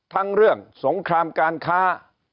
ทั้งเรื่องสงครามการค้า